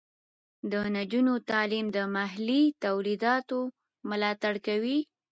د نجونو تعلیم د محلي تولیداتو ملاتړ کوي.